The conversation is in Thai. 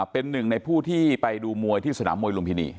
เป็นหนึ่งในผู้ที่ไปดูมวยที่สนามมวยลุมพินี